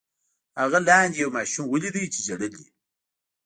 هغه لاندې یو ماشوم ولید چې ژړل یې.